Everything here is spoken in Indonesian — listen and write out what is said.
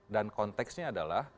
dan konteksnya adalah